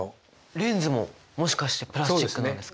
レンズももしかしてプラスチックなんですか？